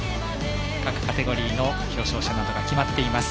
各カテゴリーの表彰者などが決まっています。